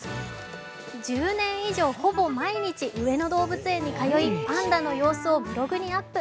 １０年以上、ほぼ毎日上野動物園に通いパンダの様子をブログにアップ。